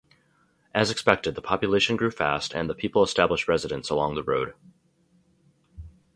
As expected, the population grew fast and the people established residence along the road.